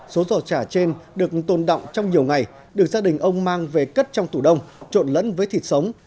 số giò chả trên được tồn động trong nhiều ngày được gia đình ông mang về cất trong tủ đông trộn lẫn với thịt sống